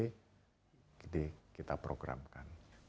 program program mana saja yang menurut bapak akan tetap menjadi prioritas selama ini